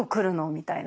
みたいな。